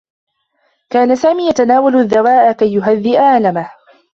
كان سامي يتناول الدّواء كي يهدّء ألمه.